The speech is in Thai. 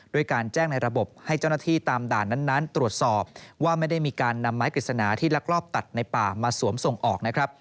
การแจ้งในระบบให้เจ้าหน้าที่ตามด่านนั้นตรวจสอบว่าไม่ได้มีการนำไม้กฤษณาที่ลักลอบตัดในป่ามาสวมส่งออกนะครับ